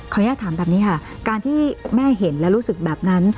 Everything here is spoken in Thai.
อยากถามแบบนี้ค่ะการที่แม่เห็นและรู้สึกแบบนั้น